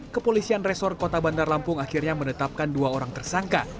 kepolisian resor kota bandar lampung akhirnya menetapkan dua orang tersangka